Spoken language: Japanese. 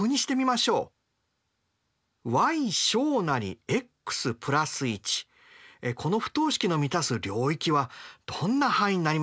ｙｘ＋１この不等式の満たす領域はどんな範囲になりますかね。